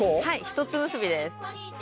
一つ結びです。